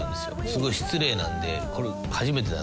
すごい失礼なんでこれ。